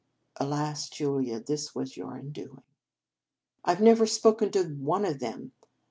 (Alas! Julia, this was your undoing.) " I Ve never spoken to one of them.